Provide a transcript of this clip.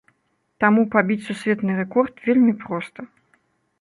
Таму пабіць сусветны рэкорд вельмі проста.